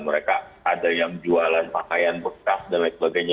mereka ada yang jualan pakaian bekas dan lain sebagainya